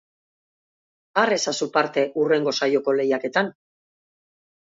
Har ezazu parte hurrengo saioko lehiaketan!